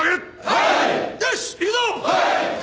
はい！